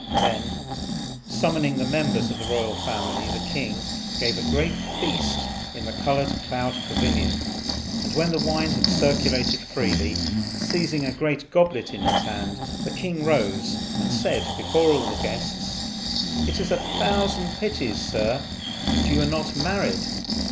Then, summoning the members of the royal family, the king gave a great feast in the Coloured Cloud pavilion; and, when the wine had circulated freely, seizing a great goblet in his hand, the king rose and said before all the guests, "It is a thousand pities, Sir, that you are not married.